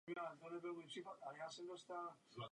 Přednášel na fakultě historie Moskevské státní univerzity.